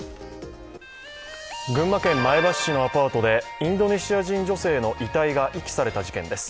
群馬県前橋市のアパートでインドネシア人女性の遺体が遺棄された事件です。